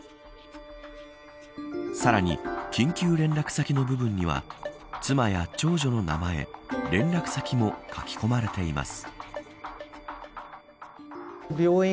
さらに、緊急連絡先の部分には妻や長女の名前連絡先も書き込まれています。